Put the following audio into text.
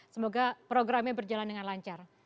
semoga programnya berjalan dengan lancar